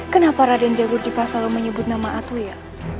kenapa raden jagur di pasal lo menyebut nama atu ya